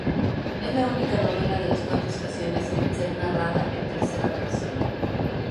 Es la única novela de "Las Cuatro Estaciones" en ser narrada en tercera persona.